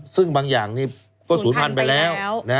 ซึ่งบางอย่างนี้ก็ศูนย์พันไปแล้ว